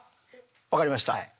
分かりました。